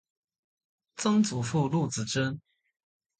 曾祖父陆子真。